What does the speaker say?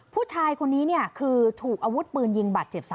ผู้ชายคนนี้เนี่ยคือถูกอาวุธปืนยิงบัตรเจ็บสุด